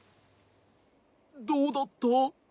どうだった？